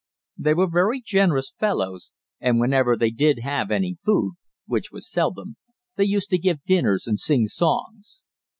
They were very generous fellows, and whenever they did have any food, which was seldom, they used to give dinners and sing songs.